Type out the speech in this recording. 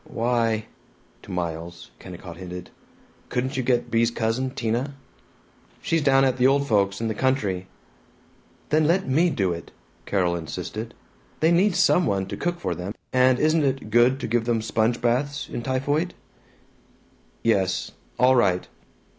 "Why " To Miles, Kennicott hinted, "Couldn't you get Bea's cousin, Tina?" "She's down at the old folks', in the country." "Then let me do it!" Carol insisted. "They need some one to cook for them, and isn't it good to give them sponge baths, in typhoid?" "Yes. All right."